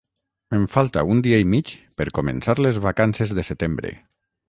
Em falta un dia i mig per començar les vacances de setembre